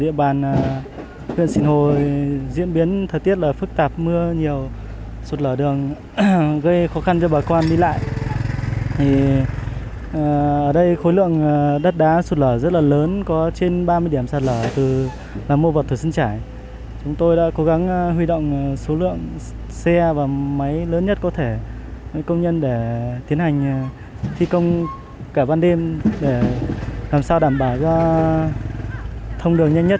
chúng tôi đã cố gắng huy động số lượng xe và máy lớn nhất có thể công nhân để tiến hành